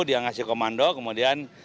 dia ngasih komando kemudian